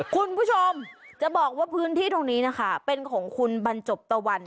คุณผู้ชมจะบอกว่าพื้นที่ตรงนี้นะคะเป็นของคุณบรรจบตะวัน